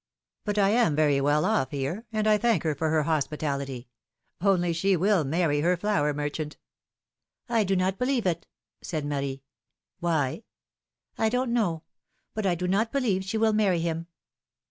^^ But I am very well off here, and I thank her for her hospitality; only she will marry her flour merchant.'^ I do not believe it,'^ said Marie. 1 don't know ; but I do not believe she will marry him."